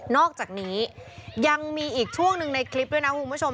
อกจากนี้ยังมีอีกช่วงหนึ่งในคลิปด้วยนะคุณผู้ชม